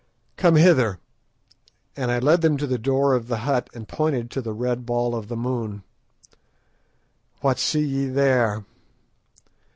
Come hither"; and I led them to the door of the hut and pointed to the red ball of the moon. "What see ye there?"